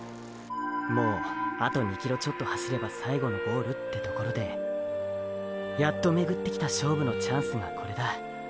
もうあと２ｋｍちょっと走れば最後のゴールってところでやっと巡ってきた勝負のチャンスがこれだ。